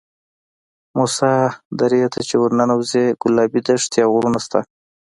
موسی درې ته چې ورننوځې ګلابي دښتې او غرونه شته.